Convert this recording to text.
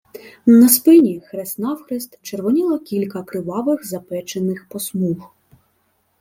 На спині хрест-навхрест червоніло кілька кривавих запечених посмуг.